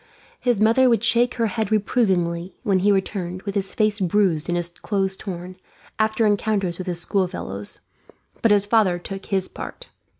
His mother would shake her head reprovingly when he returned, with his face bruised and his clothes torn, after encounters with his schoolfellows; but his father took his part.